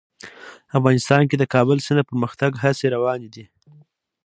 افغانستان کې د کابل سیند د پرمختګ هڅې روانې دي.